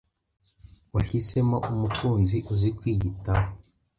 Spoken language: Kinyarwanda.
wahisemo umukunzi uzi kwiyitaho.